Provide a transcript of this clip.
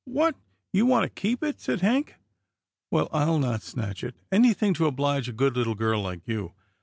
" What ! you want to keep it !" said Hank. " Well, ril not snatch it — anything to oblige a good little girl like you.